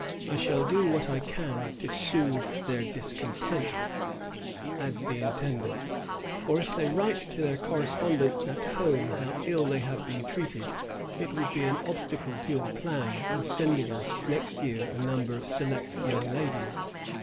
" I shall do what I can to soothe their discontent," adds the intendant; "for if they write to their correspondents at home how ill they have been treated, it would be an obstacle to your plan of sending us next year a number of select young ladies."